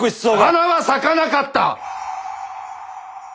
花は咲かなかった！